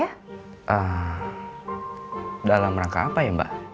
dalam rangka apa ya mbak